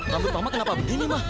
rambut mama kenapa begini mah